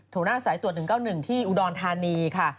หัวหน้าสายตรวจ๑๙๑ที่อุดรธานีค่ะ